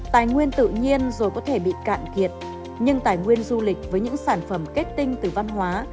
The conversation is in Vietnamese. tài nguyên tự nhiên rồi có thể bị cạn kiệt nhưng tài nguyên du lịch với những sản phẩm kết tinh từ văn hóa